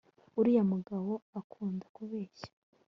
uriya mugabo akunda kubeshya